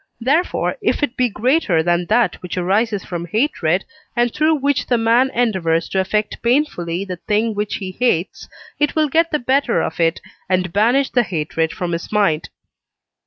Therefore, if it be greater than that which arises from hatred, and through which the man endeavours to affect painfully the thing which he hates, it will get the better of it and banish the hatred from his mind.